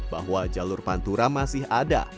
bahwa jalur pantura masih ada